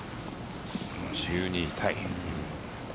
１２位タイ。